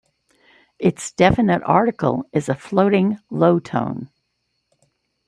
Its definite article is a floating low tone.